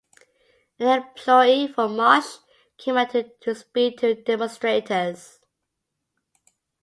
An employee for Marsh came out to speak to demonstrators.